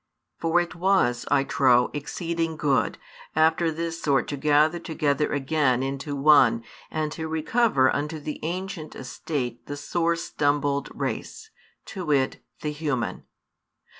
For it was, I trow, exceeding good, after this sort to gather together again into one and to recover unto the ancient estate the sore stumbled race, to wit, the human.